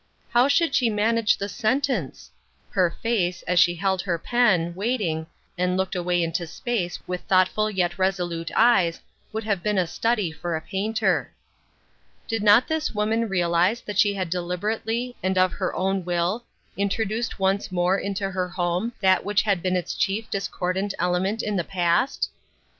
How should she manage the sentence ? Her face, as she held her pen, waiting, and looked away into space, with thoughtful yet resolute eyes, would have been a study for a painter. Did not this woman realize that she had deliber ately and of her own will, introduced once more into her home that which had been its chief dis cordant element in the past